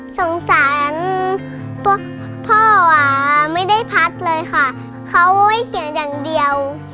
สงสารพวกพ่อไม่ได้พัดเลยค่ะเขาไม่เขียนอย่างเดียว